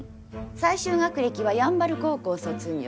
最終学歴は山原高校卒業。